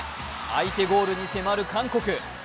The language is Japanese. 相手ゴールに迫る韓国。